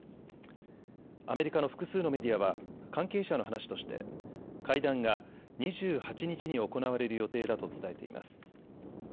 アメリカの複数のメディアは関係者の話として会談が２８日に行われる予定だと伝えています。